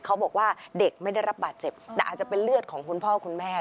เขาบอกว่าเด็กไม่ได้รับบาดเจ็บแต่อาจจะเป็นเลือดของคุณพ่อคุณแม่